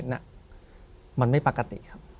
ถูกต้องไหมครับถูกต้องไหมครับ